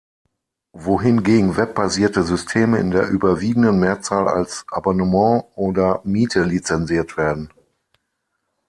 Wohingegen web-basierte Systeme in der überwiegenden Mehrzahl als Abonnement oder Miete lizenziert werden.